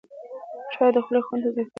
چای د خولې خوند تازه کوي